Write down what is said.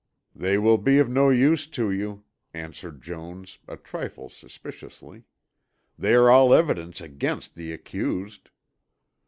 "They will be of no use to you," answered Jones a trifle suspiciously. "They are all evidence against the accused."